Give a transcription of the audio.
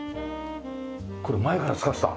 これ前から使ってた？